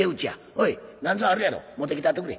おいなんぞあるやろ持ってきたってくれ。